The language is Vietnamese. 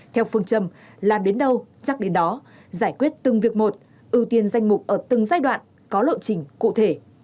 theo phương châm làm đến đâu chắc đến đó giải quyết từng việc một ưu tiên danh mục ở từng giai đoạn có lộ trình cụ thể